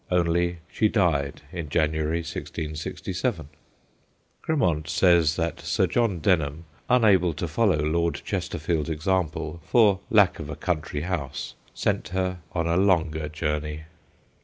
Only she died in January 1667. Grammont says that Sir John Denham, unable to follow Lord Ches terfield's example for ]ack of a country house, sent her on a longer journey.